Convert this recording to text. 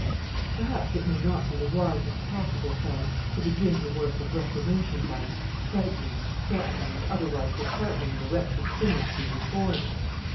Perhaps it may not be the wisest possible plan to begin the work of reformation by frightening, threatening, and otherwise disheartening the wretched sinner to be reformed.